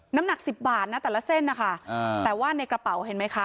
น้ำหนักสิบบาทนะแต่ละเส้นนะคะแต่ว่าในกระเป๋าเห็นไหมคะ